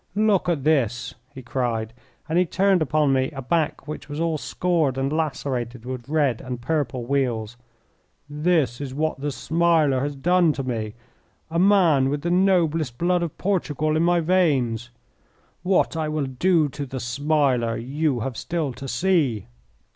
"Look at this!" he cried, and he turned upon me a back which was all scored and lacerated with red and purple weals. "This is what 'The Smiler' has done to me, a man with the noblest blood of Portugal in my veins. What I will do to 'The Smiler' you have still to see."